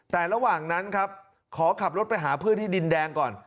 แต่ระหว่างนั้นครับขอขับรถไปหาเพื่อนที่ดินแดงก่อน